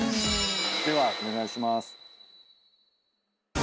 ではお願いします。